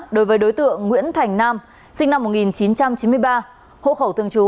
đối với đối tượng nguyễn thành nam sinh năm một nghìn chín trăm chín mươi ba hộ khẩu thường trú